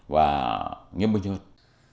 và nghiêm bình hơn